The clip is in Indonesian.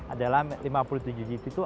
adalah lima puluh tujuh gp itu